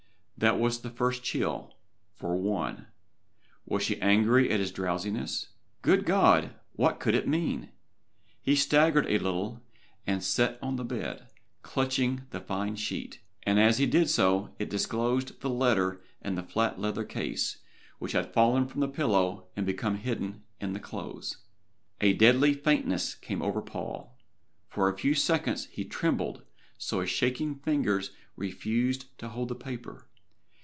That was the first chill for one! Was she angry at his drowsiness? Good God! what could it mean? He staggered a little, and sat on the bed, clutching the fine sheet. And as he did so it disclosed the letter and the flat leather case, which had fallen from the pillow and become hidden in the clothes. A deadly faintness came over Paul. For a few seconds he trembled so his shaking fingers refused to hold the paper.